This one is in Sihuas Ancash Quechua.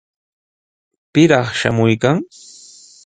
¿Pitaq shamuykan?